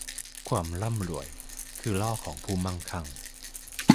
ความร่ำรวยคือล่อของผู้มั่งคั่ง